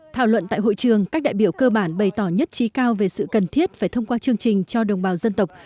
thảo luận tại hội trường các đại biểu cơ bản bày tỏ nhất trí cao về sự cần thiết phải thông qua chương trình cho đồng bào dân tộc